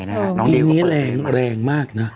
อันนี้แรงมากนะ